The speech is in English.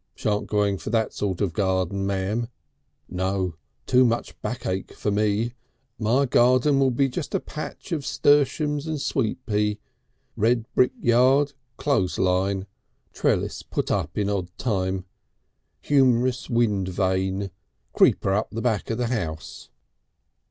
Shan't go in for that sort of garden, ma'am. No! Too much backache for me. My garden will be just a patch of 'sturtiums and sweet pea. Red brick yard, clothes' line. Trellis put up in odd time. Humorous wind vane. Creeper up the back of the house."